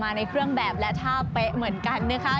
ในเครื่องแบบและท่าเป๊ะเหมือนกันนะคะ